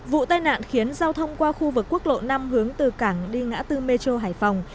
vụ tai nạn khiến giao thông qua khu vực quốc lộ năm hướng từ cảng đi ngã tư metro hải phòng